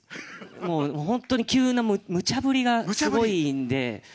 もう、本当に急なむちゃ振りがすごいんで。